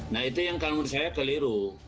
nah itu yang kalau menurut saya keliru